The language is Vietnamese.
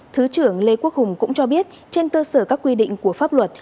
thứ trưởng lê quốc hùng cũng cho biết trên cơ sở các quy định của pháp luật